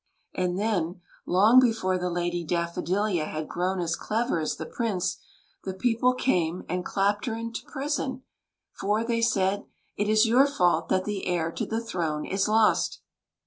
And then, long be fore the Lady Daffodilia had grown as clever as the Prince, the people came and clapped her into prison, " for,'' they said, " it is your fault that the heir to the throne is lost."